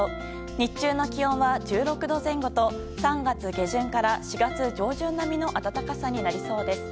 日中の気温は１６度前後と３月下旬から４月上旬並みの暖かさになりそうです。